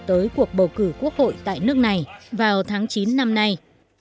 tới cuộc bầu cử quốc hội tại nước này vào tháng chín năm nay